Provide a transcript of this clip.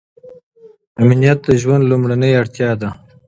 امنیت د ژوند لومړنۍ اړتیا ده.